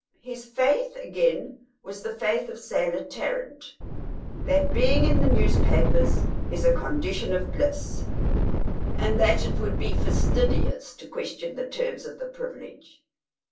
His faith, again, was the faith of Selah Tarrant that being in the newspapers is a condition of bliss, and that it would be fastidious to question the terms of the privilege.